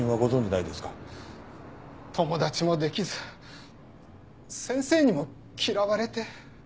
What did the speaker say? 友達もできず先生にも嫌われて。